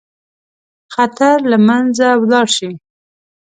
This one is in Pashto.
خطر له منځه ولاړ شي.